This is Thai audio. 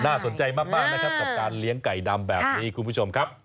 สนใจมากนะครับกับการเลี้ยงไก่ดำแบบนี้คุณผู้ชมครับ